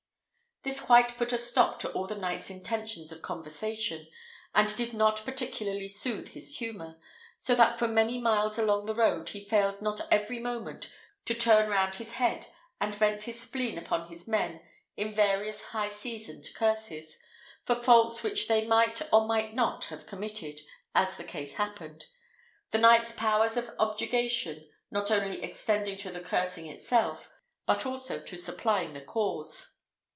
This quite put a stop to all the knight's intentions of conversation, and did not particularly soothe his humour; so that for many miles along the road he failed not every moment to turn round his head, and vent his spleen upon his men in various high seasoned curses, for faults which they might or might not have committed, as the case happened; the knight's powers of objurgation not only extending to the cursing itself, but also to supplying the cause.